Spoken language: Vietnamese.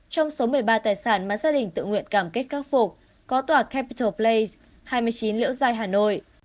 trong số một mươi ba tài sản mà gia đình tự nguyện cam kết khắc phục có tòa capital play hai mươi chín liễu giai hà nội